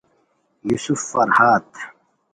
یوسف فرہادؔ